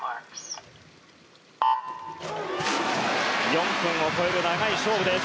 ４分を超える長い勝負です。